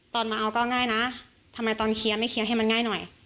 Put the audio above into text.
ตอนมาเอาก็ง่ายนะทำไมตอนเคลียร์ไม่เคลียร์ให้มันง่ายหน่อย